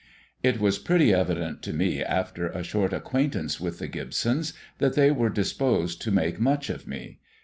It was pretty evident to me after a short acquaintance with the Gibsons that they were disposed to make much of me.